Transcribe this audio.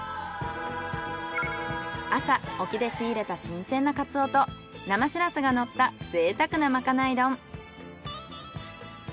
朝沖で仕入れた新鮮なカツオと生シラスがのったぜいたくなまかない丼。